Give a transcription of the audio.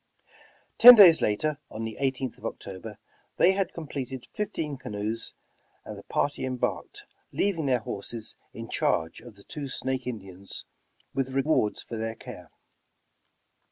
Ten days later, on the 18th of October, they had completed fifteen canoes and the party embarked, leav ing their horses in charge of the two Snake Indians with rewards for their care.